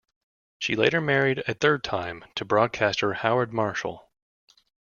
She later married a third time, to broadcaster, Howard Marshall.